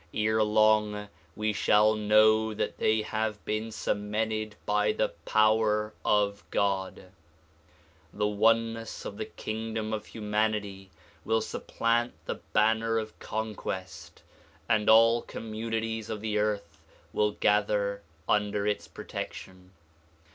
Ere long we shall know that they have been cemented by the power of God. The oneness of the kingdom of humanity will supplant the banner of conquest and all communities of the earth will gather under its protection.